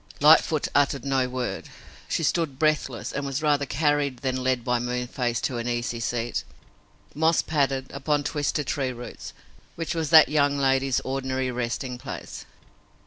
Lightfoot uttered no word. She stood breathless, and was rather carried than led by Moonface to an easy seat, moss padded, upon twisted tree roots, which was that young lady's ordinary resting place.